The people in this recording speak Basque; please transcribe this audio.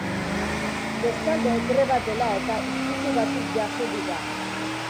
Bestalde, greba dela-eta istilu batzuk jazo dira.